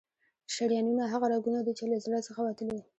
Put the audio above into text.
شریانونه هغه رګونه دي چې له زړه څخه وتلي.